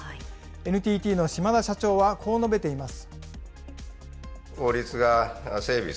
ＮＴＴの島田社長は、こう述べています。